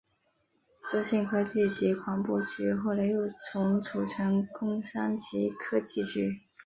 资讯科技及广播局后来又重组成工商及科技局。